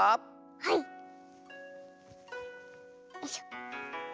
はい！よいしょ。